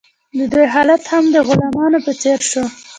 د دوی حالت هم د غلامانو په څیر شو.